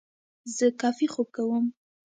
زه کافي خوب کوم.